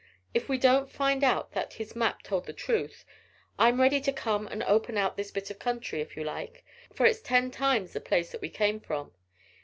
If we don't find out that his map told the truth, I'm ready to come and open out this bit of country, if you like, for it's ten times the place that we came from.